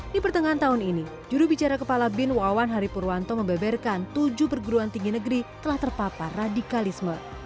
di pertengahan tahun ini jurubicara kepala bin wawan haripurwanto membeberkan tujuh perguruan tinggi negeri telah terpapar radikalisme